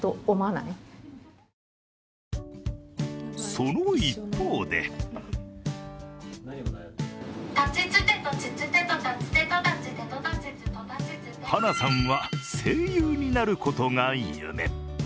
その一方で晴名さんは声優になることが夢。